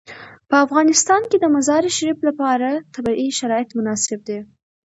په افغانستان کې د مزارشریف لپاره طبیعي شرایط مناسب دي.